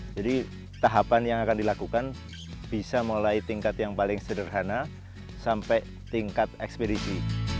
jadi tahapan yang akan dilakukan bisa mulai tingkat yang paling sederhana sampai tingkat ekspedisi